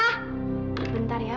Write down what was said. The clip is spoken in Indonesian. tadi anak bustu minta loh